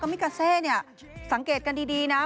มิกาเซเนี่ยสังเกตกันดีนะ